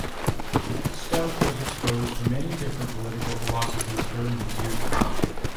Stout was exposed to many different political philosophies during his youth.